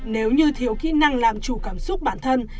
nếu như thiếu kỹ năng làm chủ cảm xúc bản thân